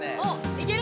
いける？